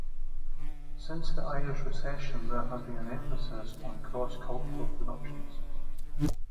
Since the Irish recession there has been an emphasis on cross cultural productions.